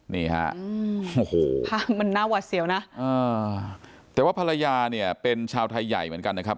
นี่ฮะโอ้โหภาพมันน่าหวัดเสียวนะแต่ว่าภรรยาเนี่ยเป็นชาวไทยใหญ่เหมือนกันนะครับ